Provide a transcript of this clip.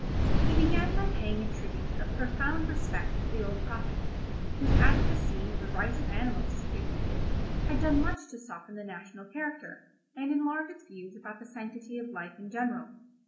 He began by paying a tribute of profound respect to the old prophet, whose advocacy of the rights of animals, he admitted, had done much to soften the national character, and enlarge its views about the sanctity of life in general.